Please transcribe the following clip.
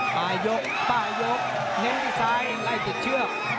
ปลายยกป้ายกเน้นที่ซ้ายไล่ติดเชือก